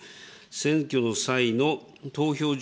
選挙の際の投票所